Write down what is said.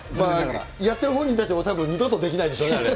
やってる本人たちもたぶん二度とできないでしょうね、あれ。